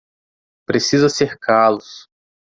Precisa cercá-los